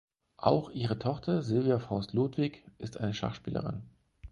Auch ihre Tochter, Silvia Faust-Ludwig, ist eine Schachspielerin.